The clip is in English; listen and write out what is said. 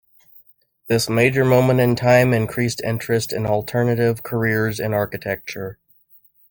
This major moment in time increased interest in alternative careers in architecture.